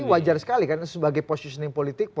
tapi wajar sekali kan sebagai positioning politik